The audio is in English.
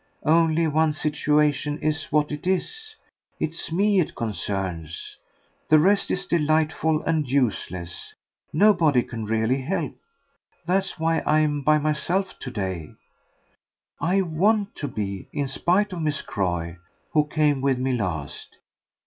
"Only one's situation is what it is. It's ME it concerns. The rest is delightful and useless. Nobody can really help. That's why I'm by myself to day. I WANT to be in spite of Miss Croy, who came with me last.